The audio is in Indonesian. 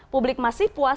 publik masih puas